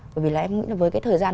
bởi vì là em nghĩ là với cái thời gian